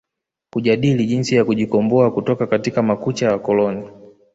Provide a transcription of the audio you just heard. Kujadili jinsi ya kujikomboa kutoka katika makucha ya wakoloni